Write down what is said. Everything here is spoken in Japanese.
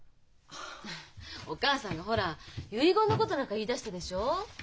お義母さんがほら遺言のことなんか言いだしたでしょう？